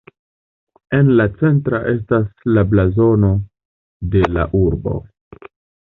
En la centra estas la blazono de la urbo.